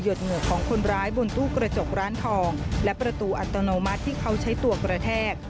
เหงื่อของคนร้ายบนตู้กระจกร้านทองและประตูอัตโนมัติที่เขาใช้ตัวกระแทก